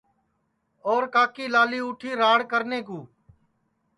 اور کاکلی لالی اُٹھی راڑ کرنے کُو